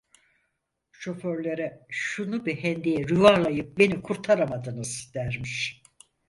Şoförlere: "Şunu bir hendeğe yuvarlayıp beni kurtaramadınız!" dermiş…